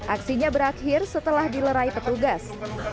aksinya berakhir setelah dilerai petugas